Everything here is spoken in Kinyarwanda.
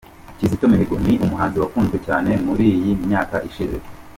Kizito Mihigo ni umuhanzi wakunzwe cyane muri iyi myaka ishize.